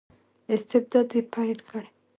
استبداد یې پیل کړ.